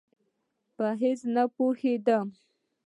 په هېڅ نه پوهېدم.